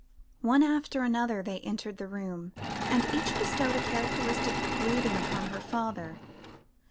One after another they entered the room, and each bestowed a characteristic greeting upon her father.